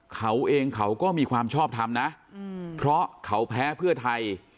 เขาเองเขาก็มีความชอบทำนะเพราะเขาแพ้เพื่อไทย